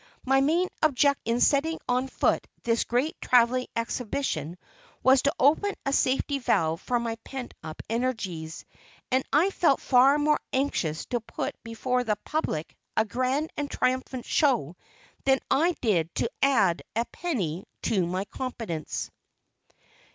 My main object in setting on foot this great travelling exhibition was to open a safety valve for my pent up energies, and I felt far more anxious to put before the public a grand and triumphant show than I did to add a penny to my competence.